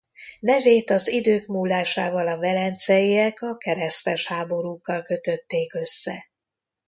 Nevét az idők múlásával a velenceiek a keresztes háborúkkal kötötték össze.